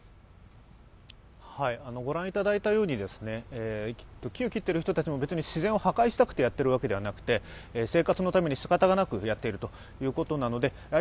御覧いただいたように、木を切っている人たちも自然を破壊したくてやっているわけではなくて、生活のためにしかたがなくやっているということなのであ